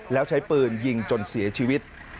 แล้วใช้ปืนยิงจนเสียชีวิต